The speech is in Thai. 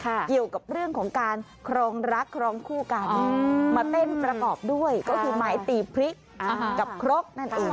เกี่ยวกับเรื่องของการครองรักครองคู่กันมาเต้นประกอบด้วยก็คือไม้ตีพริกกับครกนั่นเอง